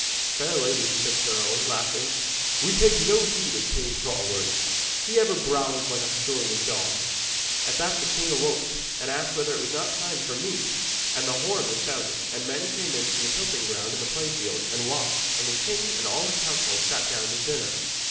'Fair lady,' said Sir Owen, laughing, 'we take no heed of Kay's raw words. He ever growls like a surly dog.' At that the king awoke, and asked whether it was not time for meat. And the horn was sounded, and men came in from the tilting ground and the play field, and washed, and the king and all his household sat down to dinner.